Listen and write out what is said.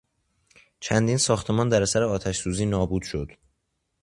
چندین ساختمان در اثر آتشسوزی نابود شد.